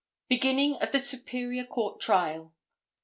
Beginning of the Superior Court Trial.